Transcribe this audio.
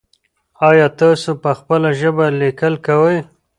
ایا تاسو په خپله ژبه لیکل کوئ؟